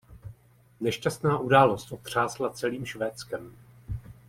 Nešťastná událost otřásla celým Švédskem.